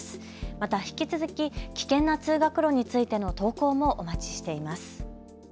また引き続き危険な通学路についての投稿もお待ちしています。